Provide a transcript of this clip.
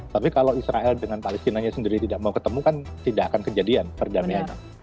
tapi kalau israel dengan palestinanya sendiri tidak mau ketemu kan tidak akan kejadian perdamaiannya